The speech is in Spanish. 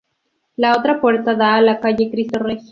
La otra puerta da a la Calle Cristo Rey.